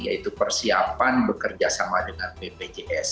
yaitu persiapan bekerja sama dengan bpjs